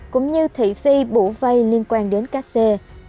cũng như thị phi bụ vây liên quan đến ca sê